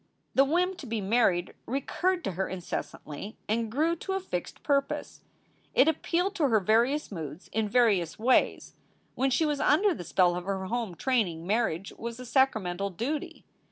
The whim to be married recurred to her incessantly and grew to a fixed purpose. It appealed to her various moods in various ways. When 24 362 SOULS FOR SALE she was under the spell of her home training marriage was a sacramental duty.